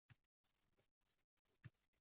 Bu tarvuz ham yaramaydi